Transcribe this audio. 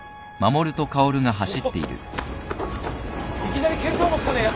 おっいきなり見当もつかねえや。